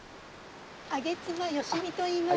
揚妻芳美といいます。